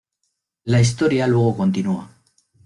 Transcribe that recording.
La historia luego continúa.